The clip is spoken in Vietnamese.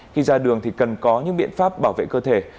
khi ra đường thì cần có những biện pháp bảo vệ cơ thể